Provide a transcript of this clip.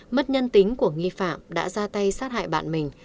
mất nhân tính của nghi phạm đã ra tay sát hại bạn mình